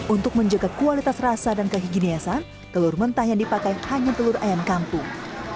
untuk menjaga kualitas rasa dan kehiginiasan telur mentah yang dipakai hanya telur ayam kampung